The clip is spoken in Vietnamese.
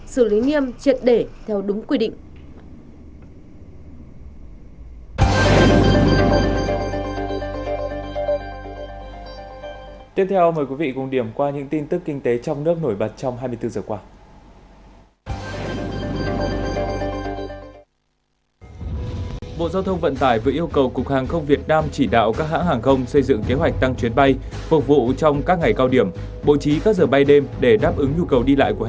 sử lý nghiêm triệt để theo đúng quy định